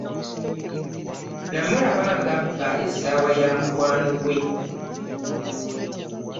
Namulaba nga abba essaawa ya mukwano gwe.